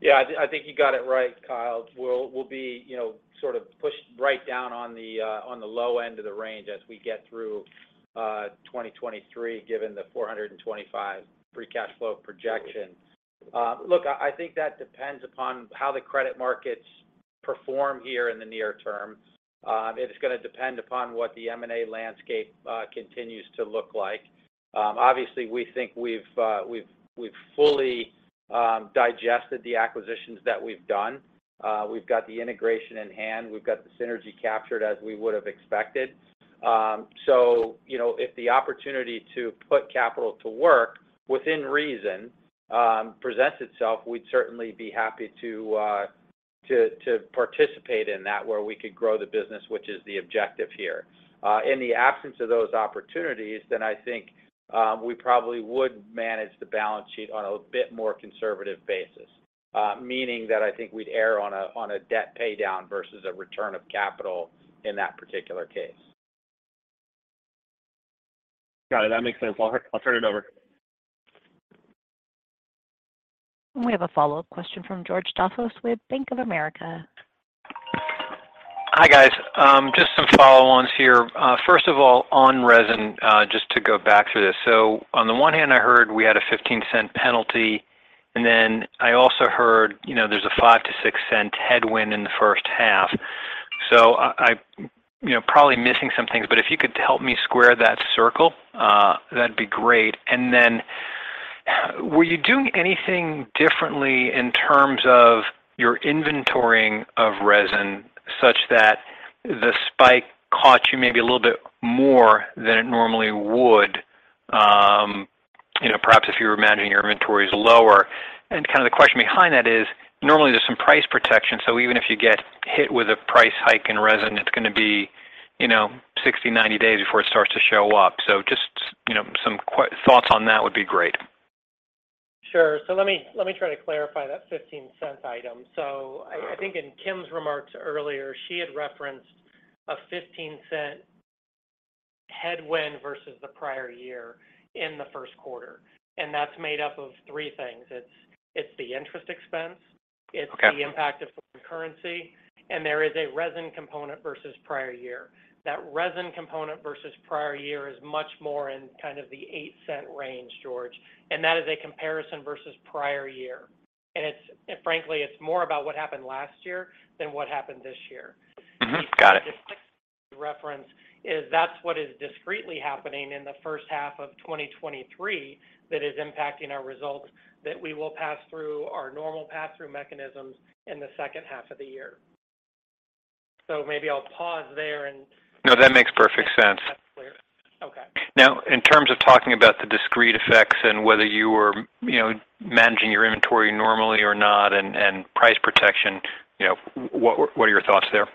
Yeah, I think you got it right, Kyle White. We'll be, you know, sort of pushed right down on the low end of the range as we get through 2023, given the $425 free cash flow projection. Look, I think that depends upon how the credit markets perform here in the near term. It is gonna depend upon what the M&A landscape continues to look like. Obviously, we think we've fully digested the acquisitions that we've done. We've got the integration in hand. We've got the synergy captured as we would've expected. You know, if the opportunity to put capital to work within reason presents itself, we'd certainly be happy to participate in that, where we could grow the business, which is the objective here. In the absence of those opportunities, then I think we probably would manage the balance sheet on a bit more conservative basis. Meaning that I think we'd err on a debt pay down versus a return of capital in that particular case. Got it. That makes sense. Well, I'll turn it over. We have a follow-up question from George Staphos with Bank of America. Hi, guys. Just some follow-ons here. First of all, on resin, just to go back to this. On the one hand I heard we had a $0.15 penalty, then I also heard, you know, there's a $0.05-$0.06 headwind in the first half. I, you know, probably missing some things, but if you could help me square that circle, that'd be great. Were you doing anything differently in terms of your inventorying of resin such that the spike caught you maybe a little bit more than it normally would? You know, perhaps if you were managing your inventories lower. Kind of the question behind that is normally there's some price protection, even if you get hit with a price hike in resin, it's gonna be, you know, 60, 90 days before it starts to show up. Just, you know, some thoughts on that would be great. Sure. Let me try to clarify that $0.15 item. I think in Kim's remarks earlier, she had referenced a $0.15 headwind versus the prior year in the first quarter, and that's made up of three things. It's the interest expense. Okay. It's the impact of foreign currency. There is a resin component versus prior year. That resin component versus prior year is much more in kind of the $0.08 range, George. That is a comparison versus prior year. Frankly, it's more about what happened last year than what happened this year. Got it. The reference is that's what is discreetly happening in the first half of 2023 that is impacting our results that we will pass through our normal pass-through mechanisms in the second half of the year. Maybe I'll pause there. No, that makes perfect sense. That's clear. Okay. In terms of talking about the discrete effects and whether you were, you know, managing your inventory normally or not and price protection, you know, what are your thoughts there?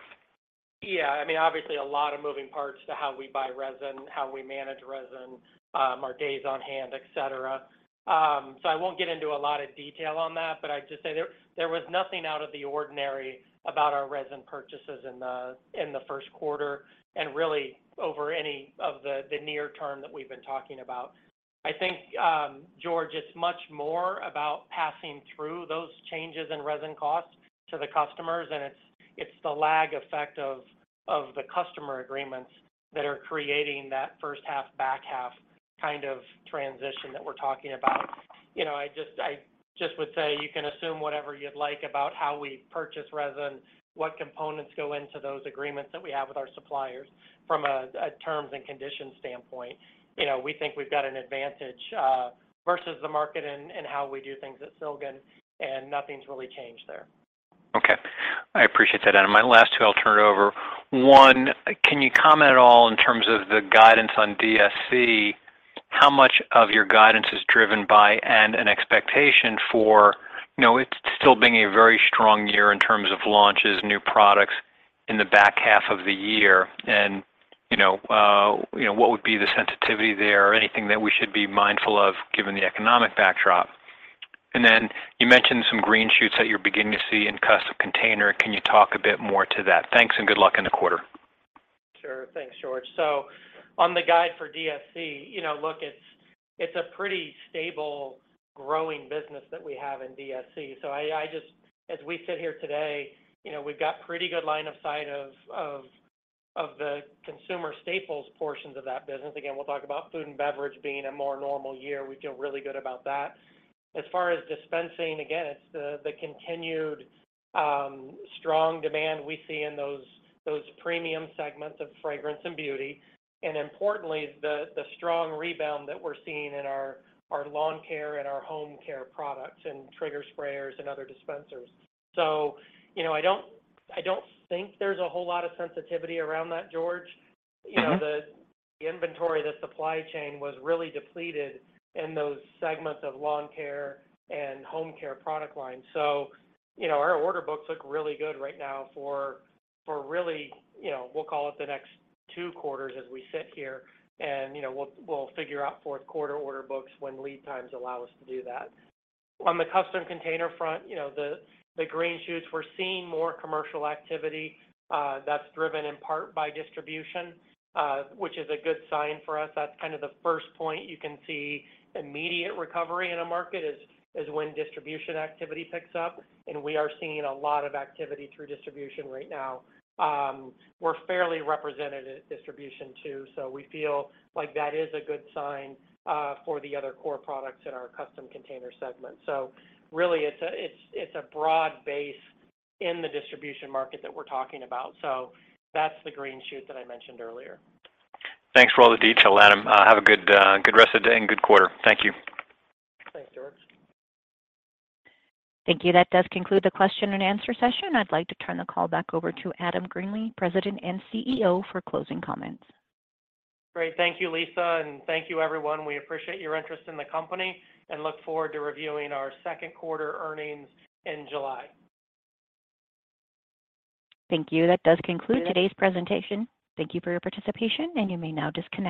Yeah, I mean, obviously a lot of moving parts to how we buy resin, how we manage resin, our days on hand, et cetera. I won't get into a lot of detail on that, but I'd just say there was nothing out of the ordinary about our resin purchases in the first quarter and really over any of the near term that we've been talking about. I think, George, it's much more about passing through those changes in resin costs to the customers and it's the lag effect of the customer agreements that are creating that first half back half kind of transition that we're talking about. You know, I just would say you can assume whatever you'd like about how we purchase resin, what components go into those agreements that we have with our suppliers from a terms and conditions standpoint. You know, we think we've got an advantage versus the market in how we do things at Silgan, and nothing's really changed there. Okay. I appreciate that, Adam. My last two, I'll turn it over. One, can you comment at all in terms of the guidance on DSC? How much of your guidance is driven by and an expectation for, you know, it still being a very strong year in terms of launches, new products in the back half of the year and, you know, you know, what would be the sensitivity there or anything that we should be mindful of given the economic backdrop? Then you mentioned some green shoots that you're beginning to see in Custom Containers. Can you talk a bit more to that? Thanks and good luck in the quarter. Sure. Thanks, George. On the guide for DSC, you know, look, it's a pretty stable growing business that we have in DSC. As we sit here today, you know, we've got pretty good line of sight of the consumer staples portions of that business. Again, we'll talk about food and beverage being a more normal year. We feel really good about that. As far as dispensing, again, it's the continued strong demand we see in those premium segments of fragrance and beauty. Importantly, the strong rebound that we're seeing in our lawn care and our home care products and trigger sprayers and other dispensers. You know, I don't think there's a whole lot of sensitivity around that, George. You know, the inventory, the supply chain was really depleted in those segments of lawn care and home care product lines. You know, our order books look really good right now for really, you know, we'll call it the next two quarters as we sit here and, you know, we'll figure out fourth quarter order books when lead times allow us to do that. On the Custom Containers front, you know, the green shoots, we're seeing more commercial activity, that's driven in part by distribution, which is a good sign for us. That's kind of the first point you can see immediate recovery in a market is when distribution activity picks up, and we are seeing a lot of activity through distribution right now. We're fairly represented at distribution too, so we feel like that is a good sign for the other core products in our Custom Containers segment. Really it's a broad base in the distribution market that we're talking about. That's the green shoot that I mentioned earlier. Thanks for all the detail, Adam. Have a good rest of the day and good quarter. Thank you. Thanks, George. Thank you. That does conclude the question and answer session. I'd like to turn the call back over to Adam Greenlee, President and CEO, for closing comments. Great. Thank you, Lisa, and thank you, everyone. We appreciate your interest in the company and look forward to reviewing our second quarter earnings in July. Thank you. That does conclude today's presentation. Thank you for your participation, and you may now disconnect.